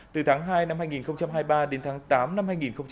từ tháng hai năm hai nghìn hai mươi ba đến tháng tám năm hai nghìn hai mươi ba